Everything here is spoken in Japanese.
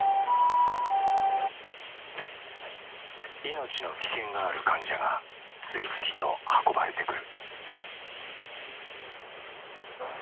命の危険がある患者が次々と運ばれてくる。